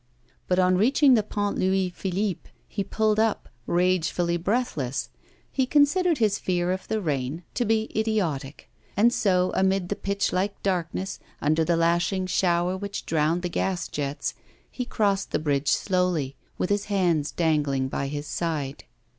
But on reaching the Pont Louis Philippe he pulled up, ragefully breathless; he considered this fear of the rain to be idiotic; and so amid the pitch like darkness, under the lashing shower which drowned the gas jets, he crossed the bridge slowly, with his hands dangling by his side.